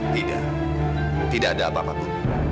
tidak tidak ada apa apa pun